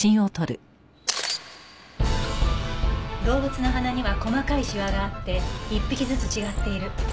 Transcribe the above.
動物の鼻には細かいしわがあって一匹ずつ違っている。